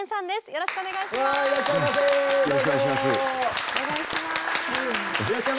よろしくお願いします。